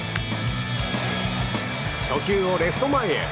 初球をレフト前へ。